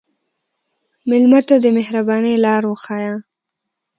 مېلمه ته د مهربانۍ لاره وښیه.